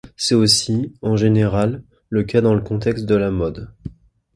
C'est aussi, en général, le cas dans le contexte de la mode.